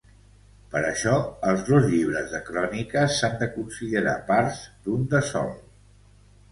Per això, els dos llibres de cròniques s'han de considerar parts d'un de sol.